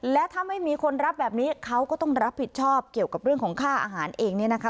และถ้าไม่มีคนรับแบบนี้เขาก็ต้องรับผิดชอบเกี่ยวกับเรื่องของค่าอาหารเองเนี่ยนะคะ